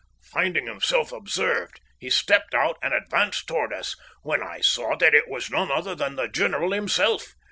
Finding himself observed, he stepped out and advanced towards us, when I saw that it was none other than the general himself.